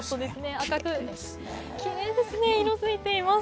赤くきれいに色づいています。